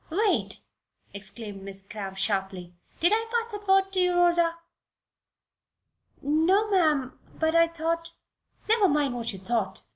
"Wait!" exclaimed Miss Cramp, sharply. "Did I pass that word to you, Rosa?" "No, ma'am; but I thought..." "Never mind what you thought.